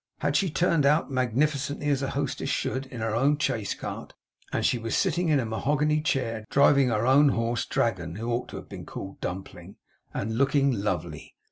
Had she turned out magnificently as a hostess should, in her own chaise cart, and was she sitting in a mahogany chair, driving her own horse Dragon (who ought to have been called Dumpling), and looking lovely?